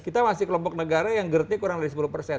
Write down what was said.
kita masih kelompok negara yang gerdnya kurang dari sepuluh persen